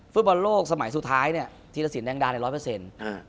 ฟุตบอลโลกสมัยสุดท้ายเนี่ยธีรสินแดงดาในร้อยเปอร์เซ็นต์